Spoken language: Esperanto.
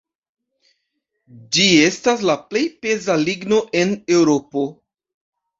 Ĝi estas la plej peza ligno en Eŭropo.